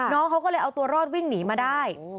น้องเขาก็เลยเอาตัวรอดวิ่งหนีมาได้